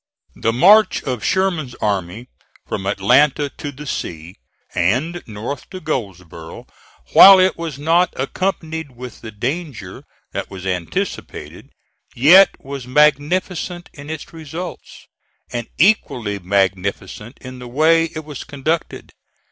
The march of Sherman's army from Atlanta to the sea and north to Goldsboro, while it was not accompanied with the danger that was anticipated, yet was magnificent in its results, and equally magnificent in the way it was conducted.